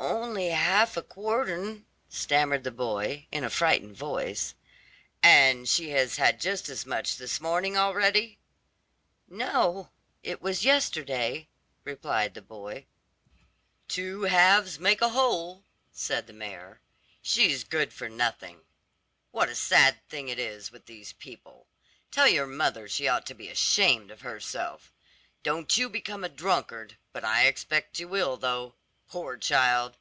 "Only half a quartern," stammered the boy in a frightened voice. "And she has had just as much this morning already?" "No, it was yesterday," replied the boy. "Two halves make a whole," said the mayor. "She's good for nothing. What a sad thing it is with these people. Tell your mother she ought to be ashamed of herself. Don't you become a drunkard, but I expect you will though. Poor child!